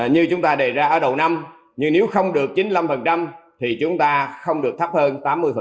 như chúng ta đề ra ở đầu năm nhưng nếu không được chín mươi năm thì chúng ta không được thấp hơn tám mươi